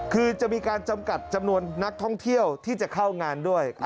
คือจะมีการจำกัดจำนวนนักท่องเที่ยวที่จะเข้างานด้วย